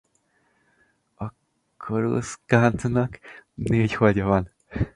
A Coruscantnak négy holdja van.